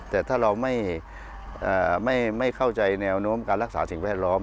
แต่ถ้าเราไม่เข้าใจแนวโน้มการรักษาสิ่งแวดล้อม